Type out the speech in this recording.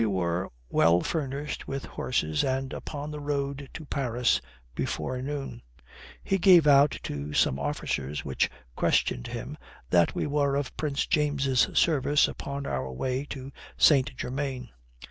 We were well furnished with horses and upon the road to Paris before noon. He gave out to some officers which questioned him that we were of Prince James's service upon our way to St. Germain.